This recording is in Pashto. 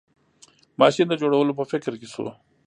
ماشین د جوړولو په فکر کې شو.